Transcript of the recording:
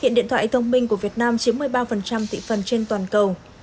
hiện điện thoại thông minh của việt nam chiếm một mươi ba thị phần trên toàn cầu